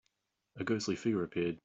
A ghostly figure appeared.